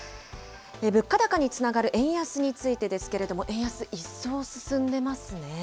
物価高につながる円安についてですけれども、円安、一層進んでますね。